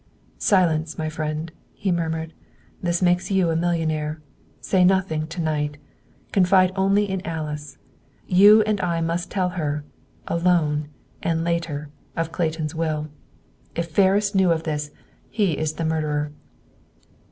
"Silence, my friend," he murmured. "This makes you a millionaire. Say nothing to night. Confide only in Alice. You and I must tell her, alone, and later, of Clayton's will. If Ferris knew of this, he is the murderer."